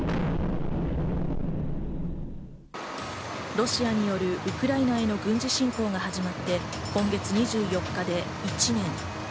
ロシアによるウクライナへの軍事侵攻が始まって今月２４日で１年。